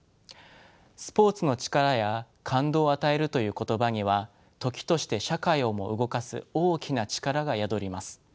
「スポーツの力」や「感動を与える」という言葉には時として社会をも動かす大きな力が宿ります。